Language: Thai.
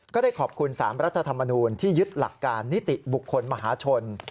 ก็ได้ขอบคุณ๓รัฐธรรมนูลที่ยึดหลักการนิติบุคคลมหาชน